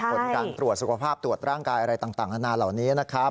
ผลการตรวจสุขภาพตรวจร่างกายอะไรต่างนานาเหล่านี้นะครับ